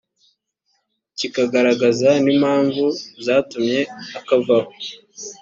kikagaragaza n impamvu zatumye akavaho